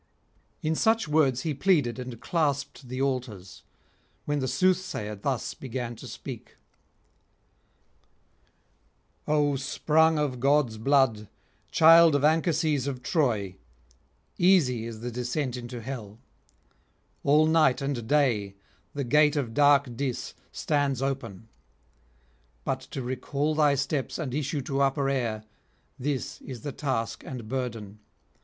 [124 157]In such words he pleaded and clasped the altars; when the soothsayer thus began to speak: 'O sprung of gods' blood, child of Anchises of Troy, easy is the descent into hell; all night and day the gate of dark Dis stands open; but to recall thy steps and issue to upper air, this is the task and burden.